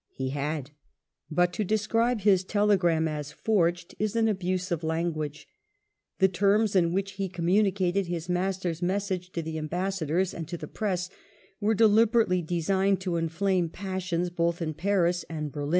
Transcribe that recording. He had ; but to describe his telegram as " forged," is an abuse of language. The terms in which he communicated his master's message to the Ambassadors and to the Press were deliberately designed to inflame passions both in Paris and Berlin.